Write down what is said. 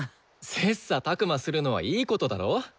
切さたく磨するのはいいことだろう？